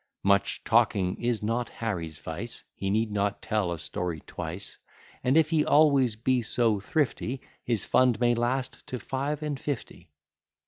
Much talking is not Harry's vice; He need not tell a story twice: And, if he always be so thrifty, His fund may last to five and fifty.